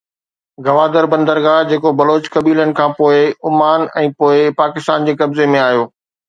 گوادر بندرگاهه جيڪو بلوچ قبيلن کان پوءِ عمان ۽ پوءِ پاڪستان جي قبضي ۾ آيو